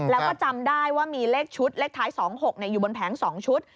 แล้วก็จำได้ว่ามีเลขชุดเลขท้าย๒๖อยู่บนแผง๒ชุด